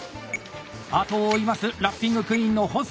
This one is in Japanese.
後を追いますラッピングクイーンの保住